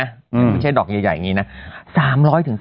ไม่ใช่ดอกใหญ่อย่างนี้นะ๓๐๐๓๕๐กิต